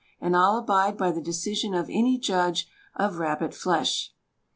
And I'll abide by the decision of any judge of rabbit flesh.